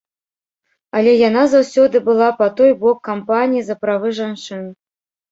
Але яна заўсёды была па той бок кампаній за правы жанчын.